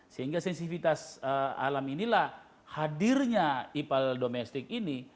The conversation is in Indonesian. sehingga sensivitas alam inilah hadirnya ipal domestik ini